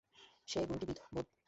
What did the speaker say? সে গুণটি বোধ করি স্বচ্ছতা।